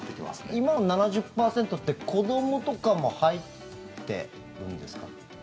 今の７０％って子どもとかも入ってるんですか？